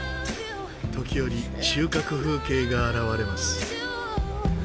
時折収穫風景が現れます。